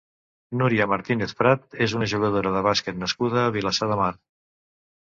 Núria Martínez Prat és una jugadora de bàsquet nascuda a Vilassar de Mar.